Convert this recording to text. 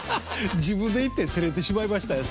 自分で言っててれてしまいましたですけど。